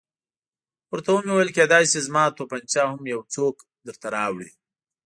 ورته ومې ویل کېدای شي زما تومانچه هم یو څوک درته راوړي.